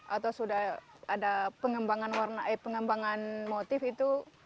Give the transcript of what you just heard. atau sudah ada pengembangan motif itu